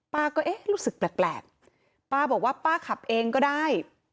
ป้าก็เอ๊ะรู้สึกแปลกป้าบอกว่าป้าขับเองก็ได้